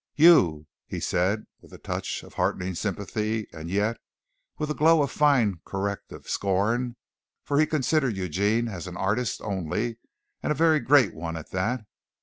"You!" he said, with a touch of heartening sympathy, and yet with a glow of fine corrective scorn, for he considered Eugene as an artist only, and a very great one at that.